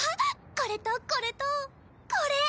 これとこれとこれ！